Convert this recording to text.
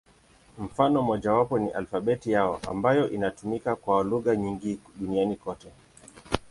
Mfano mmojawapo ni alfabeti yao, ambayo inatumika kwa lugha nyingi duniani kote.